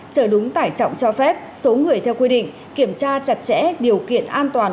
chở đúng tải trọng cho phép số người theo quy định kiểm tra chặt chẽ điều kiện an toàn